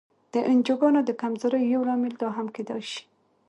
د انجوګانو د کمزورۍ یو لامل دا هم کېدای شي.